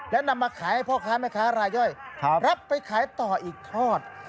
และนำมาขายให้พ่อค้าแม่ค้ารายย่อยรับไปขายต่ออีกทอด